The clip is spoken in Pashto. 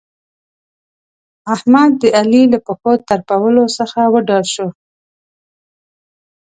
احمد؛ د علي له پښو ترپولو څخه وډار شو.